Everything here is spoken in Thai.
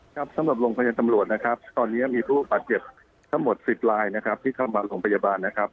ครับสำหรับโรงพยาบาลตำรวจนะครับตอนนี้มีผู้บาดเจ็บทั้งหมด๑๐ลายนะครับ